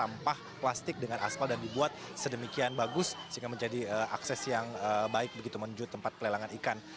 karena dia membuatnya dengan plastik dengan aspal dan dibuat sedemikian bagus sehingga menjadi akses yang baik begitu menuju tempat pelelangan ikan